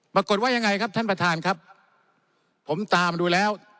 ปรากฏว่ายังไงครับท่านประธานครับผมตามดูแล้ว